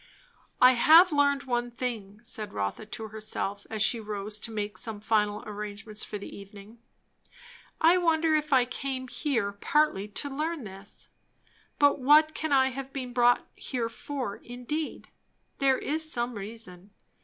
I have learned one thing, said Rotha to herself, as she rose to make some final arrangements for the evening. I wonder if I came here partly to learn this? But what can I have been brought here for, indeed? There is some reason.